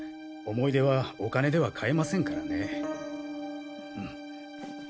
思い出はお金では買えませんからね。